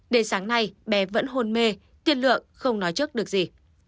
đến sáng nay bé vẫn hôn mê tiên lượng không nói